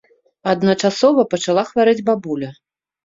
Адначасова пачала хварэць бабуля.